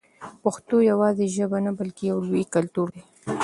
پښتو یوازې ژبه نه بلکې یو لوی کلتور دی.